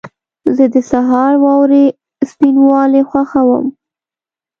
زه د سهار واورې سپینوالی خوښوم.